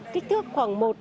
kích thước khoảng một năm mm